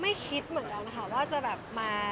คิดเหมือนกันนะคะว่าจะแบบมา